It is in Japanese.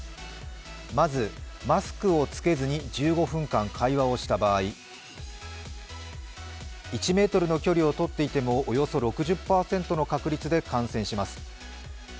まず、マスクを着けずに１５分間会話をした場合、１ｍの距離をとっていてもおよそ６０％の確率で感染します。